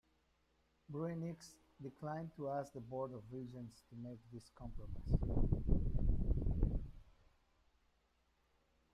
Bruininks declined to ask the board of regents to make this compromise.